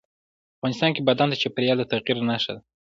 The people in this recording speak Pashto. افغانستان کې بادام د چاپېریال د تغیر نښه ده.